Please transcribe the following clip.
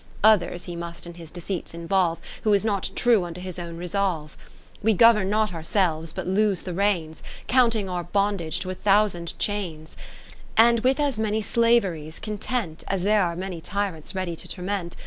(Others he must in his deceits involve, Who is not true unto his own resolve.) We govern not ourselves, but loose the reins, Counting our bondage to a thousand chains ; And with as many slaveries, content As there are tyrants ready to tor ment.